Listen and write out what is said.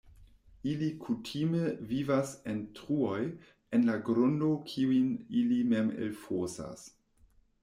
Ili kutime vivas en truoj en la grundo kiujn ili mem elfosas.